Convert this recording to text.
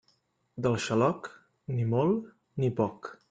Del xaloc, ni molt ni poc.